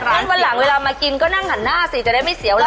วันหลังเวลามากินก็นั่งหันหน้าสิจะได้ไม่เสียวล่ะ